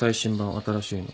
新しいの。